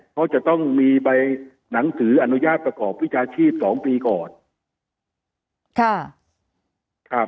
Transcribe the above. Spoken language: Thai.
เขาจะต้องมีใบหนังสืออนุญาตประกอบวิชาชีพ๒ปีก่อนค่ะครับ